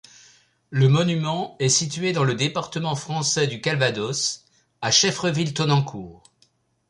Le monument est situé dans le département français du Calvados, à Cheffreville-Tonnencourt.